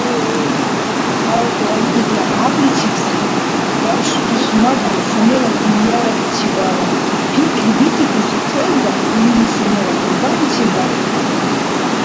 Халкьла игитла хӀябличибси, даршдусмадли сунечи зияратчибала пикри битӀикӀуси цӀелда илини сунела хӀулбани чебаиб.